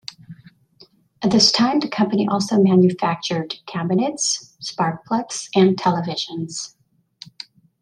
At this time the company also manufactured cabinets, sparkplugs and televisions.